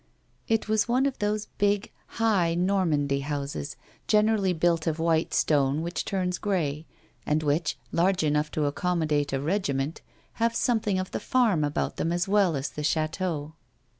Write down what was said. It was one of those big, high, Normandy houses generallv built of white stone which turns grey, and which, large enough to accommodate a regiment, have something of the farm about them as well as the chateau.